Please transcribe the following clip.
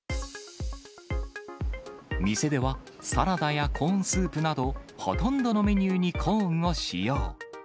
店では、サラダやコーンスープなど、ほとんどのメニューにコーンを使用。